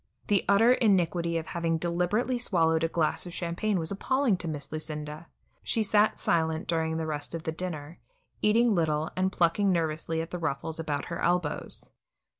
The utter iniquity of having deliberately swallowed a glass of champagne was appalling to Miss Lucinda. She sat silent during the rest of the dinner, eating little, and plucking nervously at the ruffles about her elbows.